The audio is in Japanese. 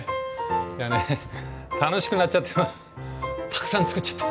いやね楽しくなっちゃってたくさん作っちゃった。